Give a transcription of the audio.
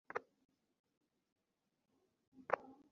হুম, ওরা অংকেও তেমন ভালো না।